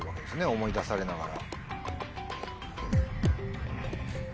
思い出されながら。